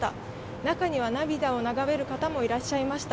中には涙を流される方もいらっしゃいました。